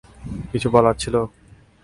কিছু বলার ছিলো?